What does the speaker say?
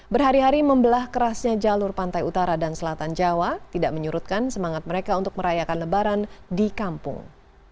berhari hari membelah kerasnya jalur pantai utara dan selatan jawa tidak menyurutkan semangat mereka untuk merayakan lebaran di kampung